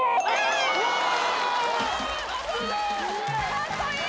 かっこいい！